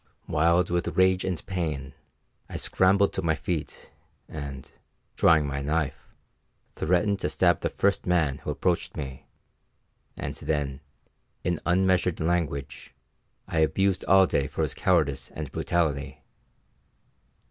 Wild with rage and pain, I scrambled to my feet, and, drawing my knife, threatened to stab the first man who approached me; and then, in unmeasured language, I abused Alday for his cowardice and brutality.